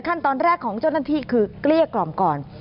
ขั้นตอนแรกของเจ้าหน้าที่คือเกลี้ยกล่อมก่อน